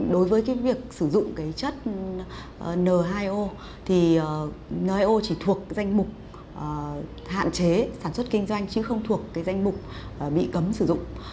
đối với cái việc sử dụng cái chất n hai o thì n hai o chỉ thuộc danh mục hạn chế sản xuất kinh doanh chứ không thuộc cái danh mục bị cấm sử dụng